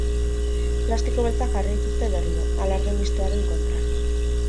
Plastiko beltzak jarri dituzte berriro, alarde mistoaren kontra.